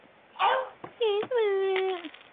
克里斯泰斯是巴西米纳斯吉拉斯州的一个市镇。